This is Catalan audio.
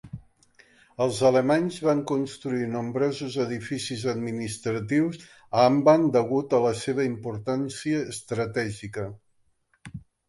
Els alemanys van construir nombrosos edificis administratius a Ambam degut a la seva importància estratègica.